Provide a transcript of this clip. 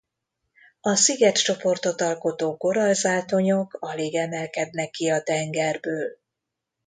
A szigetcsoportot alkotó korallzátonyok alig emelkednek ki a tengerből.